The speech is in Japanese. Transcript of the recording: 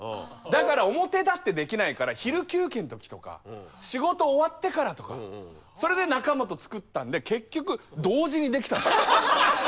だから表立ってできないから昼休憩の時とか仕事終わってからとかそれで仲間と作ったんで結局同時にできたんです。